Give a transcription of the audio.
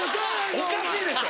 おかしいでしょ！